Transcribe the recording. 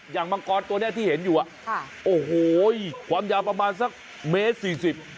อย่างมังกรตัวนี้ที่เห็นอยู่โอ้โหความยาวประมาณสักเมตรสี่สิบ